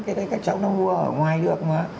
cái đấy các cháu nó mua ở ngoài được mà